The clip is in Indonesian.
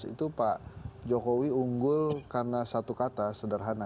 itu pak jokowi unggul karena satu kata sederhana